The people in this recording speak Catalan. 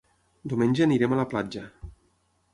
Diumenge anirem a la platja.